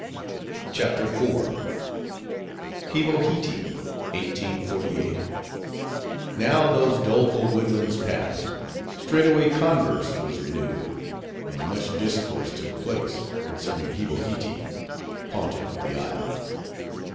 CHAPTER IV. Hivohitee MDCCCXLVIII Now, those doleful woodlands passed, straightway converse was renewed, and much discourse took place, concerning Hivohitee, Pontiff of the isle.